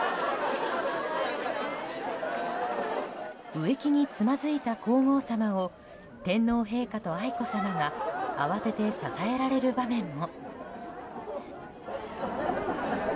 植木につまずいた皇后さまを天皇陛下と愛子さまが慌てて支えられる場面も。